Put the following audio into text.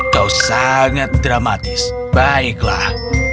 kau sangat dramatis baiklah